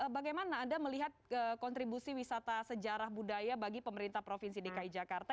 bagaimana anda melihat kontribusi wisata sejarah budaya bagi pemerintah provinsi dki jakarta